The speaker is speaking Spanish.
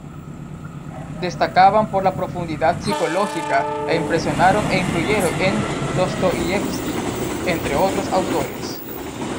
Destacaban por la profundidad psicológica e impresionaron e influyeron en Dostoievski, entre otros autores.